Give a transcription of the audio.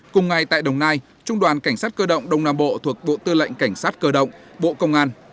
cùng ngày tại đồng nai trung đoàn cảnh sát cơ động đông nam bộ thuộc bộ tư lệnh cảnh sát cơ động bộ công an